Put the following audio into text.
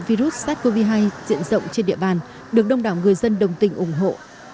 virus sars cov hai diện rộng trên địa bàn được đông đảo người dân đồng tình ủng hộ